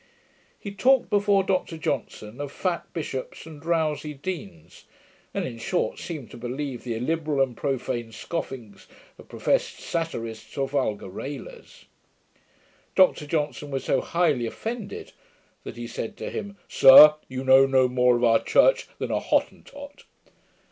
He talked before Dr Johnson, of fat bishops and drowsy deans; and, in short, seemed to believe the illiberal and profane scoffings of professed satyrists, or vulgar railers. Dr Johnson was so highly offended, that he said to him, 'Sir, you know no more of our church than a Hottentot.'